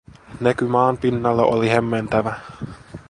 Näky maanpinnalla oli hämmentävä.